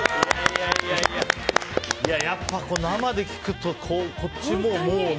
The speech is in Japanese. やっぱり生で聴くとこっち、もうね。